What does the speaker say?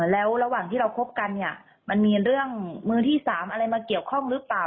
แล้วระหว่างที่เราคบกันเนี่ยมันมีเรื่องมือที่๓อะไรมาเกี่ยวข้องหรือเปล่า